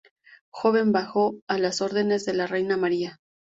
Joven bajo a las órdenes de la Reina María.